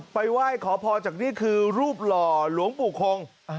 ไหว้ขอพรจากนี่คือรูปหล่อหลวงปู่คง